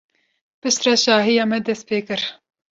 Piştre şahiya me dest pê kir.